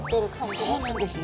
そうなんですね。